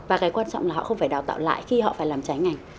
và cái quan trọng là họ không phải đào tạo lại khi họ phải làm trái ngành